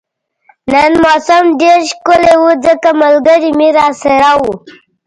نن موسم ډیر ښکلی وو ځکه ملګري مې راسره وو